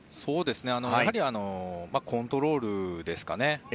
やはりコントロールですかね。